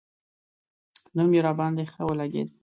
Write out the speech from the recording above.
نوم یې راباندې ښه ولګېد.